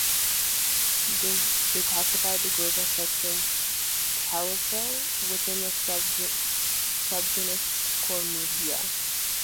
They classified the group as section "Calophyllae" within the subgenus "Corymbia".